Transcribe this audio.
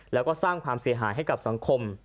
แล้วก็สร้างความเสียหายให้กับสังคม